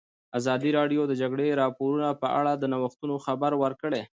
ازادي راډیو د د جګړې راپورونه په اړه د نوښتونو خبر ورکړی.